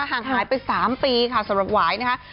ห่างหายไป๓ปีค่ะสำหรับหวายนะคะ